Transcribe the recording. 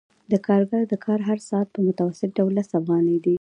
د کارګر د کار هر ساعت په متوسط ډول لس افغانۍ دی